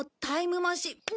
タイムマシ。